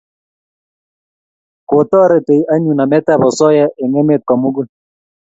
Kotorei anyun nametab osoya eng emet komugul